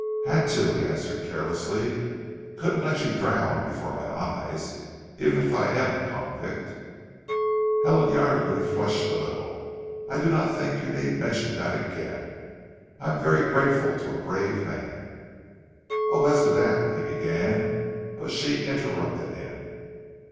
"Had to," he answered carelessly. "Couldn't let you drown before my eyes even if I am a convict!" Helen Yardely flushed a little. "I do not think you need mention that again. I am very grateful to a brave man." "Oh, as to that " he began; but she interrupted him.